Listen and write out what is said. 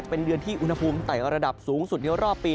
เป็นเดือนที่อุณหภูมิไต่ระดับสูงสุดในรอบปี